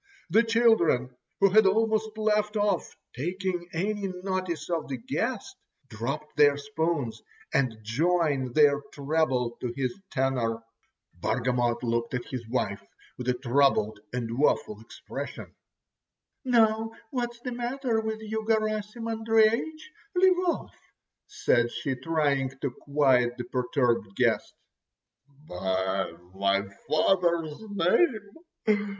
The children, who had almost left off taking any notice of the guest, dropped their spoons and joined their treble to his tenor. Bargamot looked at his wife with a troubled and woeful expression. "Now, what's the matter with you, Garasim Andreich. Leave off," said she, trying to quiet the perturbed guest. "By my father's name!